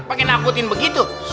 pakai nakutin begitu